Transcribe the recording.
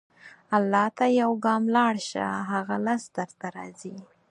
الله ته یو ګام لاړ شه، هغه لس درته راځي.